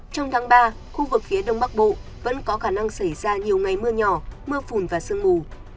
trong tháng ba khu vực phía đông bắc bộ vẫn có khả năng xảy ra nhiều ngày mưa nhỏ mưa phùn và sương mù